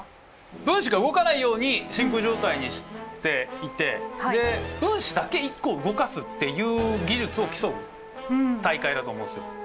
分子が動かないように真空状態にしていてで分子だけ１個動かすっていう技術を競う大会だと思うんですよ。